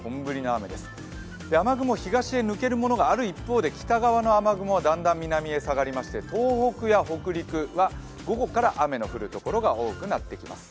雨雲、東へ抜けるものがある一方で北側の雨雲はだんだん南へ下がりまして東北や北陸は午後から雨の降る所が多くなってきます。